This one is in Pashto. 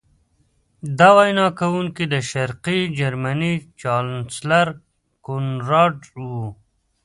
دا وینا کوونکی د شرقي جرمني چانسلر کونراډ و